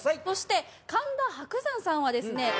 そして神田伯山さんはですね